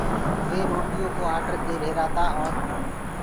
وي روٽيو ڪو آڊر دي ريهرآ تآ اور